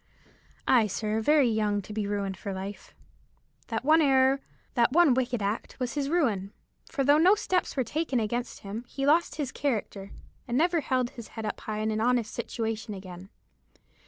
"Ay, sir, very young to be ruined for life. That one error, that one wicked act, was his ruin; for though no steps were taken against him, he lost his character, and never held his head up in an honest situation again.